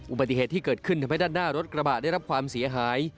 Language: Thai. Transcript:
อุบัติเหตุที่เกิดขึ้นทำให้ด้านหน้ารถกระบะได้รับความเสียหาย